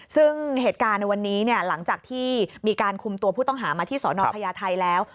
ซึ่งเหตุการณ์ในวันนี้หลังจากที่มีการคุมตัวผู้ต้องหามาที่สนพญาไทยแล้ว